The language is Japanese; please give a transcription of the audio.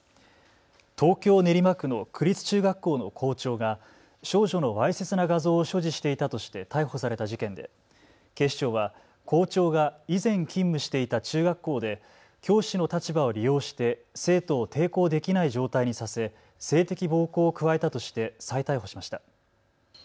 東京練馬区の区立中学校の校長が少女のわいせつな画像を所持していたとして逮捕された事件で警視庁は校長が以前勤務していた中学校で教師の立場を利用して生徒を抵抗できない状態にさせ性的暴行を加えたとして再逮捕しました。